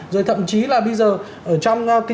rồi thậm chí là bây giờ ở trong cái